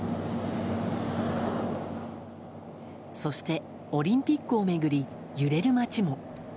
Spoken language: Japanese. そして、オリンピックを巡り揺れる町も。